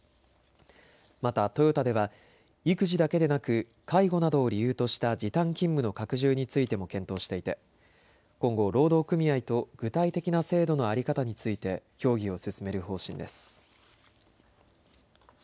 またトヨタでは育児だけでなく介護などを理由とした時短勤務の拡充についても検討していて今後、労働組合と具体的な制度の在り方について協議を進める方針です。